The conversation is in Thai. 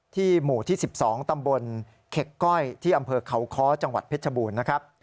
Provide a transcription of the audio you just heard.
หมู่ที่๑๒ตำบลเข็กก้อยที่อำเภอเขาค้อจังหวัดเพชรบูรณ์นะครับ